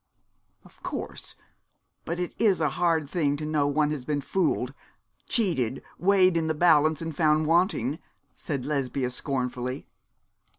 'Of course; but it is a hard thing to know one has been fooled, cheated, weighed in the balance and found wanting,' said Lesbia, scornfully.